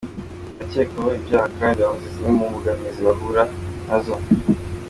Abacyekwaho ibyaha kandi bavuze zimwe mu mbogamizi bahura nazo:.